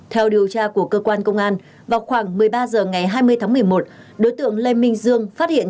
theo điều tra của cơ quan công an vào khoảng một mươi ba h ngày hai mươi tháng một mươi một đối tượng lê minh dương phát hiện